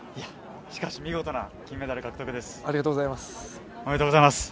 見事な金メダル獲得です。